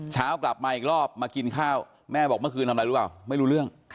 เช้ากลับมาอีกรอบมากินข้าวแม่บอกเมื่อคืนทำอะไรหรือเปล่าไม่รู้เรื่อง